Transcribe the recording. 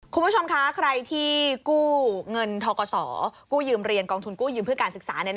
คุณผู้ชมคะใครที่กู้เงินทกศกู้ยืมเรียนกองทุนกู้ยืมเพื่อการศึกษาเนี่ย